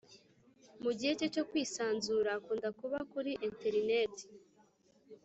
mugihe cye cyo kwisanzura, akunda kuba kuri enterineti